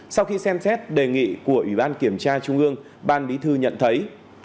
sau khi xem xét đề nghị của ủy ban kiểm tra trung ương ban bí thư nhận thấy